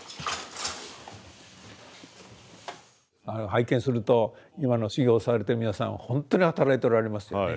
拝見すると今の修行されてる皆さんはほんとに働いておられますよね。